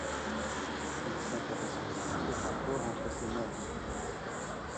Il s'intéresse aussi aux rapports entre ces normes.